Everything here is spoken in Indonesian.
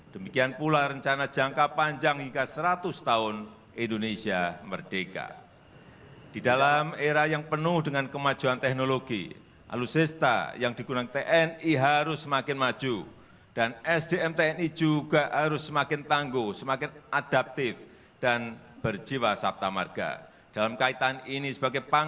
demikian pula rencana jangka panjang hingga seratus tahun indonesia